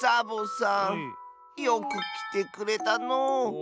よくきてくれたのう。